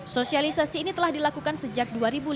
sosialisasi ini telah dilakukan sejak dua ribu lima belas